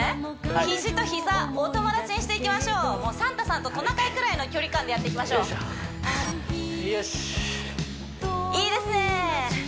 肘と膝お友達にしていきましょうもうサンタさんとトナカイくらいの距離感でやっていきましょうよしっほっいいですね